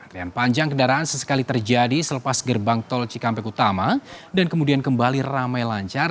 dan panjang kendaraan sesekali terjadi selepas gerbang tol cikampek utama dan kemudian kembali ramai lancar